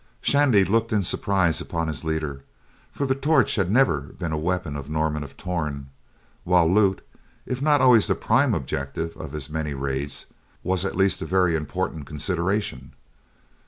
Shandy looked in surprise upon his leader, for the torch had never been a weapon of Norman of Torn, while loot, if not always the prime object of his many raids, was at least a very important consideration.